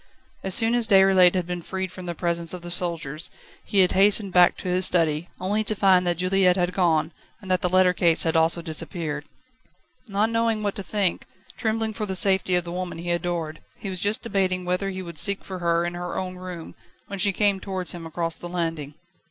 As soon as Déroulède had been freed from the presence of the soldiers, he had hastened back to his study, only to find that Juliette had gone, and that the letter case had also disappeared. Not knowing what to think, trembling for the safety of the woman he adored, he was just debating whether he would seek for her in her own room, when she came towards him across the landing.